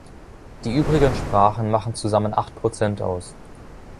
Die übrigen Sprachen machen zusammen acht Prozent aus.